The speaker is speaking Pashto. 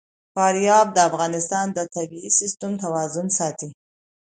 فاریاب د افغانستان د طبعي سیسټم توازن ساتي.